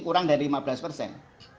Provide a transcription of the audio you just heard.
kurang dari lima belas persen